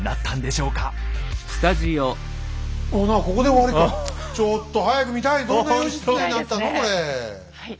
ちょっと早く見たい。